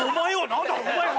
何だお前は！